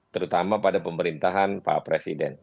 terutama pada pemerintahan pak presiden